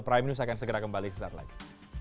prime news akan segera kembali sesaat lagi